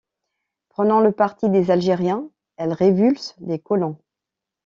Prenant le parti des Algériens, elle révulse les colons.